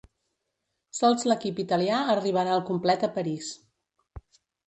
Sols l'equip italià arribarà al complet a París.